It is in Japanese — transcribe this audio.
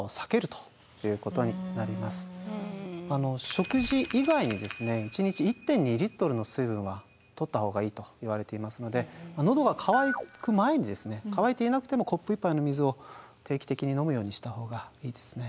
食事以外に一日１．２リットルの水分は取った方がいいといわれていますのでのどが渇く前に渇いていなくてもコップ１杯の水を定期的に飲むようにした方がいいですね。